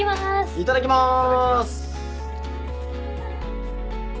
いただきます。